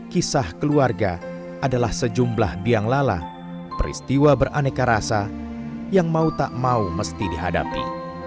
kisah keluarga adalah sejumlah biang lala peristiwa beraneka rasa yang mau tak mau mesti dihadapi